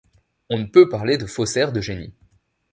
On ne peut parler de faussaires de génie.